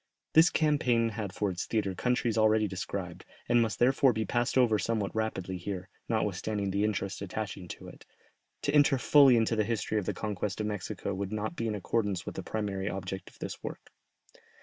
This campaign had for its theatre countries already described, and must therefore be passed over somewhat rapidly here, notwithstanding the interest attaching to it; to enter fully into the history of the conquest of Mexico would not be in accordance with the primary object of this work.